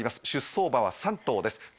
出走馬は３頭です